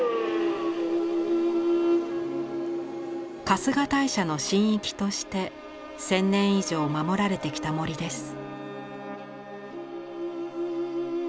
春日大社の神域として千年以上守られてきた森です。